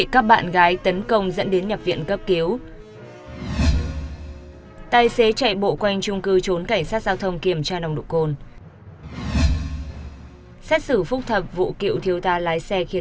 các bạn hãy đăng kí cho kênh lalaschool để không bỏ lỡ những video hấp dẫn